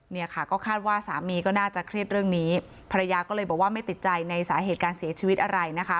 เนี่ยค่ะก็คาดว่าสามีก็น่าจะเครียดเรื่องนี้ภรรยาก็เลยบอกว่าไม่ติดใจในสาเหตุการเสียชีวิตอะไรนะคะ